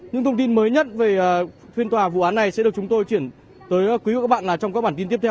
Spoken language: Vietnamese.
những thông tin mới nhất về phiên tòa vụ án này sẽ được chúng tôi chuyển tới quý vị và các bạn trong các bản tin tiếp theo